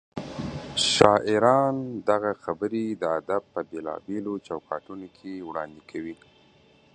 شاعران دغه خبرې د ادب په بېلابېلو چوکاټونو کې وړاندې کوي.